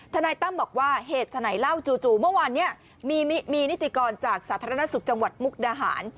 นายตั้มบอกว่าเหตุฉะไหนเล่าจู่เมื่อวานนี้มีนิติกรจากสาธารณสุขจังหวัดมุกดาหาร